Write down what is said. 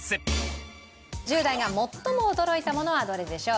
１０代が最も驚いたものはどれでしょう？